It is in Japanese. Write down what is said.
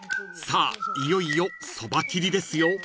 ［さあいよいよそば切りですよ］